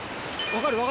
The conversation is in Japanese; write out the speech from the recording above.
分かる？